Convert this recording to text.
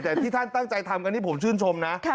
แต่ที่ท่านตั้งใจทำกันนี่ผมชื่นชมนะ